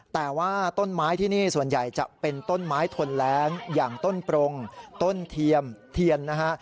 แต่ว่าต้นไม้ที่นี่ส่วนใหญ่จะเป็นต้นไม้ทนแรงอย่างต้นปรงต้นเทียมเทียนนะฮะ